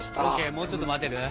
もうちょっと待てる？